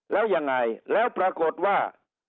แล้วยังไงแล้วปรากฏว่า